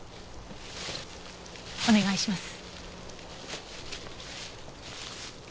お願いします。